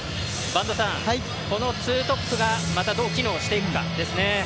播戸さん、このツートップがまたどう機能していくかですね。